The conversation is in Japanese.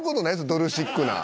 ドルシックナー。